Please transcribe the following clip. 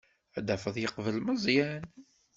Ad tafeḍ yeqbel Meẓyan.